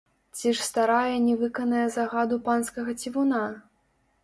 Ці ж старая не выканае загаду панскага цівуна?